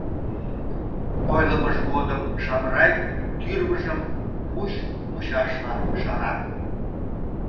Ойлымыж годым Шамрай тӱрвыжым пуч мучашла шара.